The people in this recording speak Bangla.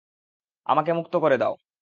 আমাকে মুক্ত করে দাও!